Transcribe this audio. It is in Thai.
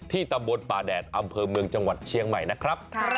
ตำบลป่าแดดอำเภอเมืองจังหวัดเชียงใหม่นะครับ